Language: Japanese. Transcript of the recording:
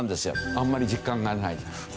あんまり実感がない。